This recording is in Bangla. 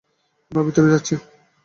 আমরা ভেতরে যাচ্ছি।